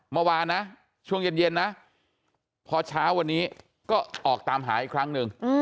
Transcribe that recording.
เมื่อวานนะช่วงเย็นนะพอเช้าวันนี้ก็ออกตามหาอีกครั้งหนึ่ง